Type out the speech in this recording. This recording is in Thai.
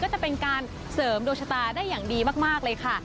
จะเป็นการเสริมดวงชะตาได้อย่างดีมากเลยค่ะ